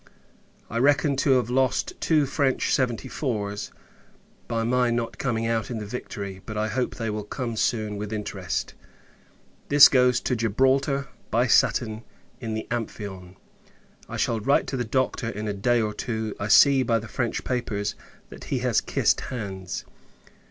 I reckon to have lost two French seventy fours, by my not coming out in the Victory; but I hope they will come soon, with interest. This goes to Gibraltar, by Sutton, in the Amphion. I shall write the Doctor in a day or two. I see, by the French papers, that he has kissed hands.